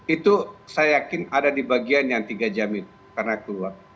itu saya yakin ada di bagian yang tiga jam itu karena keluar